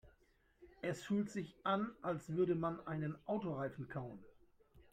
Es fühlt sich an, als würde man einen Autoreifen kauen.